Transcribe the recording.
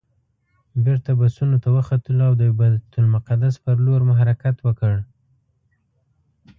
بېرته بسونو ته وختلو او د بیت المقدس پر لور مو حرکت وکړ.